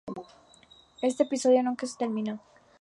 Este episodio nunca se terminó.